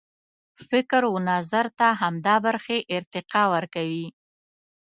فکر و نظر ته همدا برخې ارتقا ورکوي.